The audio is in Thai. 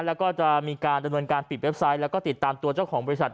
แล้วก็จะมีการดำเนินการปิดเว็บไซต์แล้วก็ติดตามตัวเจ้าของบริษัท